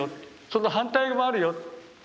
その反対もあるよ。